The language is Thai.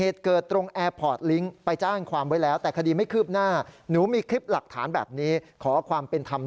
อธิบายบอกว่า